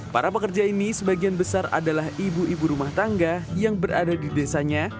para pekerja ini sebagian besar adalah ibu ibu rumah tangga yang berada di desanya